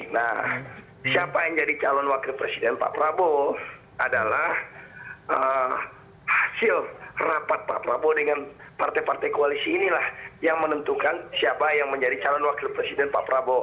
nah siapa yang jadi calon wakil presiden pak prabowo adalah hasil rapat pak prabowo dengan partai partai koalisi inilah yang menentukan siapa yang menjadi calon wakil presiden pak prabowo